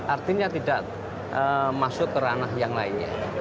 artinya tidak masuk ke ranah yang lainnya